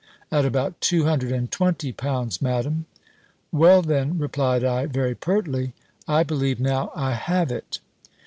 "At about two hundred and twenty pounds, Madam." "Well, then," replied I, very pertly, "I believe now I have it.